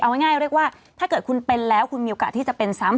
เอาง่ายเรียกว่าถ้าเกิดคุณเป็นแล้วคุณมีโอกาสที่จะเป็นซ้ำ